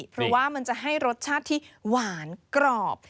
เพราะว่ามันจะให้รสชาติที่หวานกรอบ